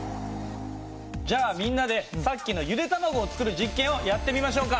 じゃあみんなでさっきのゆで卵を作る実験をやってみましょうか。